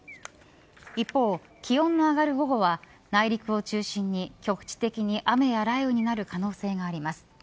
一方、気温が上がる午後は内陸を中心に局地的に雨や雷雨になる可能性があります。